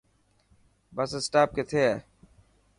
بس اسٽاپ ڪٿي هي.